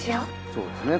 そうですね。